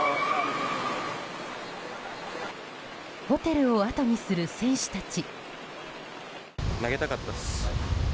ホテルをあとにする選手たち。